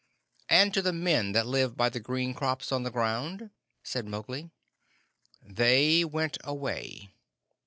"And to the men that live by the green crops on the ground?" said Mowgli. "They went away."